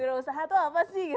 wirausaha itu apa sih